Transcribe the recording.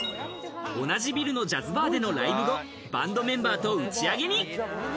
同じビルのジャズバーでのライブ後、バンドメンバーと打ち上げに。